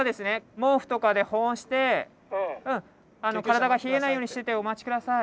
毛布とかで保温して体が冷えないようにしててお待ち下さい。